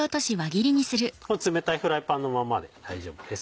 冷たいフライパンのままで大丈夫です。